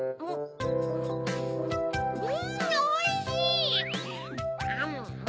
うんおいしい！